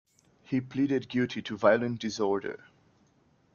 He pleaded guilty to violent disorder.